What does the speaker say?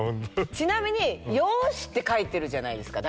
ちなみに「よーし」って書いてるじゃないですか。